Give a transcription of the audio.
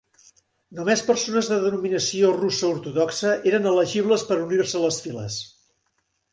Només persones de denominació russa ortodoxa eren elegibles per unir-se a les files.